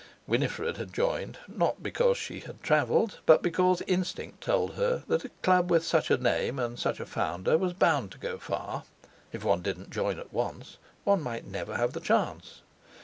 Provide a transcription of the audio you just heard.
Winifred had joined, not because she had travelled, but because instinct told her that a Club with such a name and such a founder was bound to go far; if one didn't join at once one might never have the chance.